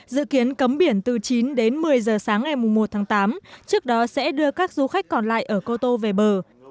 dự kiến cấm biển từ chín đến một mươi giờ sáng ngày một tháng tám trước đó sẽ đưa các du khách còn lại ở cô tô về bờ